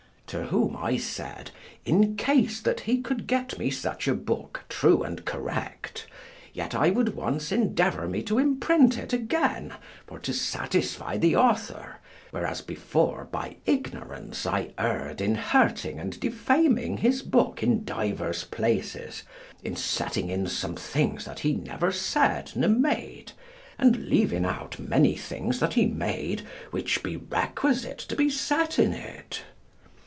To whom I said, in case that he could get me such a book, true and correct, yet I would once endeavour me to imprint it again for to satisfy the author, whereas before by ignorance I erred in hurting and defaming his book in divers places, in setting in some things that he never said ne made, and leaving out many things that he made which be requisite to be set in it.